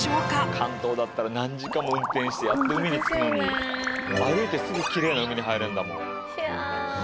関東だったら何時間も運転してやっと海に着くのに歩いてすぐきれいな海に入れんだもん。